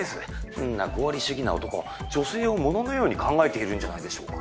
そんな合理主義な男女性を物のように考えているんじゃないでしょうか？